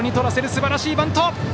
すばらしいバント！